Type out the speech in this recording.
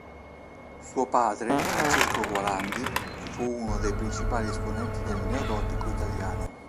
Suo padre, Francesco Gualandi, fu uno dei principali esponenti del neogotico italiano.